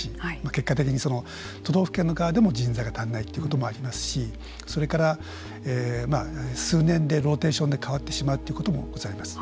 結果的に都道府県の側でも人材が足らないということもありますしそれから数年のローテーションで代わってしまうということもあります。